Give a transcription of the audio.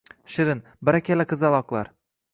Shirin:Barakalla qizaloqlar